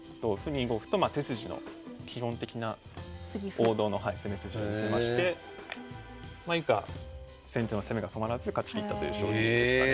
２五歩と手筋の基本的な王道の攻め筋を見せまして以下先手の攻めが止まらず勝ちきったという将棋でしたね。